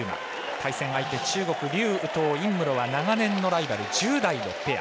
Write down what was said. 対戦相手中国、劉禹とう、尹夢ろは長年のライバル、１０代のペア。